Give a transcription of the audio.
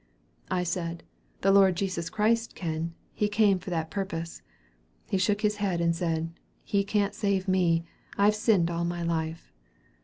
"I said, 'The Lord Jesus Christ can. He came for that purpose.' He shook his head and said, 'He can't save me; I have sinned all my life.'